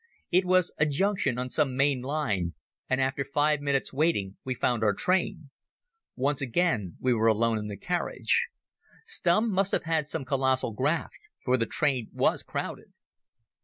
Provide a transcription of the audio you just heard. It was a junction on some main line, and after five minutes' waiting we found our train. Once again we were alone in the carriage. Stumm must have had some colossal graft, for the train was crowded.